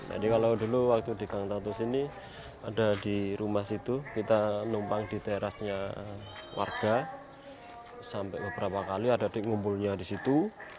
jadi kalau dulu waktu di gang tato sini ada di rumah situ kita numpang di terasnya warga sampai beberapa kali ada di ngumpulnya disitu